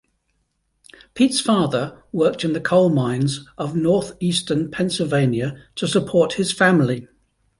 Pete's father worked in the coal mines of northeastern Pennsylvania to support his family.